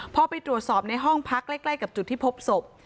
พอไปตรวจสอบในห้องพักใกล้กับจุดที่พบศพ